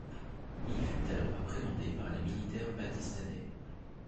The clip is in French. Il fut alors appréhendé par les militaires pakistanais.